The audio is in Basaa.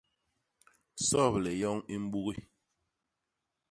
Soble yoñ i mbugi.